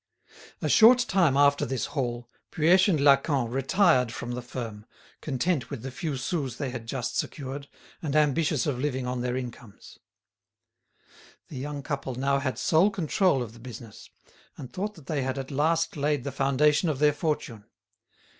A short time after this haul, Puech & Lacamp retired from the firm, content with the few sous they had just secured, and ambitious of living on their incomes. The young couple now had sole control of the business, and thought that they had at last laid the foundation of their fortune.